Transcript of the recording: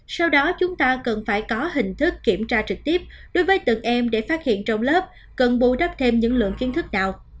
sau đó chúng ta cần phải có hình thức kiểm tra trực tiếp đối với từng em để phát hiện trong lớp cần bù đắp thêm những lượng kiến thức nào